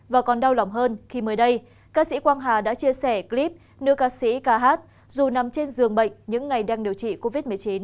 và còn đau lòng hơn khi mới đây ca sĩ quang hà đã chia sẻ clip nữ ca sĩ kh dù nằm trên giường bệnh những ngày đang điều trị covid một mươi chín